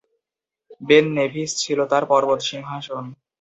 Ben Nevis ছিল তাঁর "পর্বত সিংহাসন"।